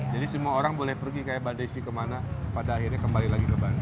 jadi semua orang boleh pergi kayak bandai sikimana pada akhirnya kembali lagi ke bandung